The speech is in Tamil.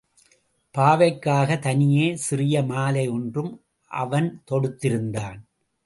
பாவைக்காகத் தனியே சிறிய மாலை ஒன்றும் அவன் தொடுத்திருந்தான்.